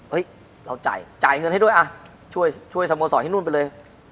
เฮ้ยเราจ่ายเงินให้ด้วยช่วยสโมสรให้นู่นไปเลย